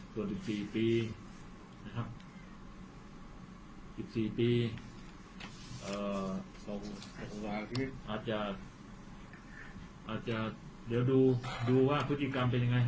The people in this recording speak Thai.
ส่วน๑๔ปีนะครับ๑๔ปีกว่าชีวิตอาจจะเดี๋ยวดูว่าพฤติกรรมเป็นยังไง